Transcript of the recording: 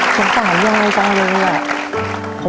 ขอต่อเยอะจ๊ะวันนี้แหละ